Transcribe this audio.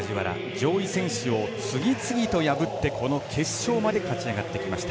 上位選手を次々と破ってこの決勝まで勝ち上がってきました。